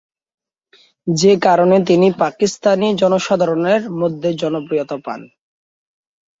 যে কারণেই তিনি পাকিস্তানি জনসাধারণের মধ্যে জনপ্রিয়তা পান।